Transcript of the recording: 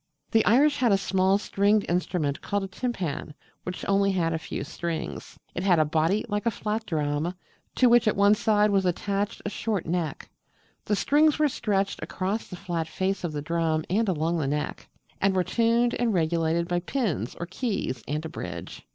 The Irish had a small stringed instrument called a Timpan, which had only a few strings. It had a body like a flat drum, to which at one side was attached a short neck: the strings were stretched across the flat face of the drum and along the neck: and were tuned and regulated by pins or keys and a bridge.